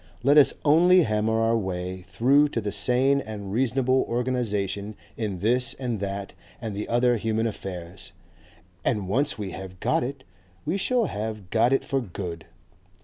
Let us only hammer our way through to the sane and reasonable organization in this and that and the other human affairs, and once we have got it, we shall have got it for good.